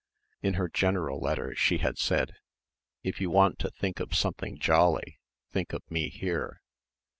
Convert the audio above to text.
In her general letter she had said, "If you want to think of something jolly, think of me, here."